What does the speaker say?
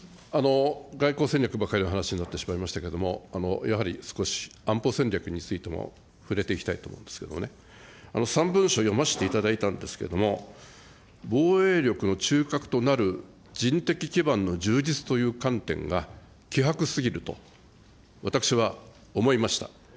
外交戦略ばかりの話になってしまいましたけれども、やはり少し安保戦略についても触れていきたいと思うんですけどね、３文書読ませていただいたんですけれども、防衛力の中核となる人的基盤の充実という観点が希薄すぎると、私は思いました。